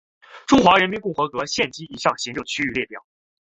中华人民共和国县级以上行政区列表